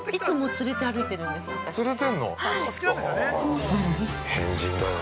◆連れてんの？